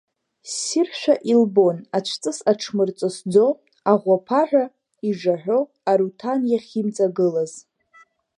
Ссиршәа илбон, ацәҵыс аҽмырҵысӡо, аӷәапаҳәа ижаҳәо Аруҭан иахьимҵагылаз.